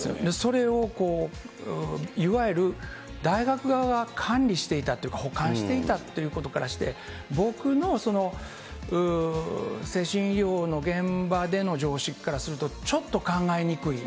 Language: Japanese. それをいわゆる大学側が管理していたって、保管していたっていうことからして、僕の精神医療の現場での常識からすると、ちょっと考えにくい。